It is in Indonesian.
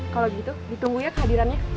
kalau gitu ditunggu ya kehadirannya